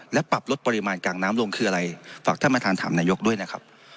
และปรับลดปริมาณกลางน้ำลงคืออะไรฝากท่านประธานถามนายกด้วยนะครับ